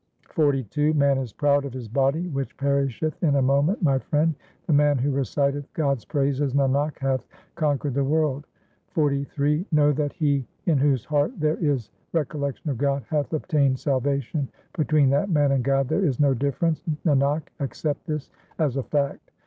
XLII Man is proud of his body which perisheth in a moment, my friend ; The man who reciteth God's praises, Nanak, hath con quered the world. XLIII Know that he in whose heart there is recollection of God, hath obtained salvation ; Between that man and God there is no difference ; Nanak, accept this as a fact.